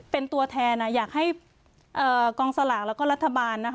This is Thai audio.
เป็นตัวแทนอยากให้กองสลากแล้วก็รัฐบาล